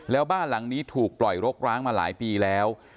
แล้วบ้านหลังนี้ถูกปล่อยรกร้างมาหลายปีแล้ว